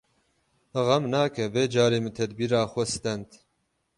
Xem nake vê carê min tedbîra xwe stend.